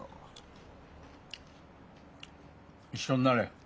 一緒になれ。